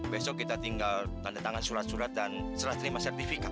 besok kita tinggal tanda tangan surat surat dan serah terima sertifikat